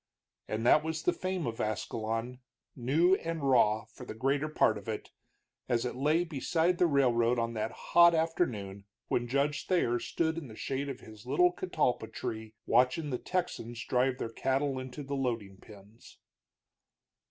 And that was the fame of Ascalon, new and raw, for the greater part of it, as it lay beside the railroad on that hot afternoon when Judge Thayer stood in the shade of his little catalpa tree watching the Texans drive their cattle into the loading pens.